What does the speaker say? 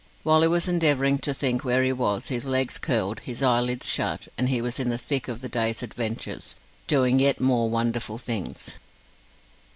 While he was endeavouring to think where he was, his legs curled, his eyelids shut, and he was in the thick of the day's adventures, doing yet more wonderful things.